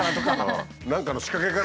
何かの仕掛けかな？と。